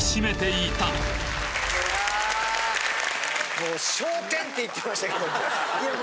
もう昇天って言ってましたけども。